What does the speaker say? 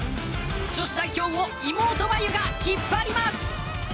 女子代表を妹、真佑が引っ張ります。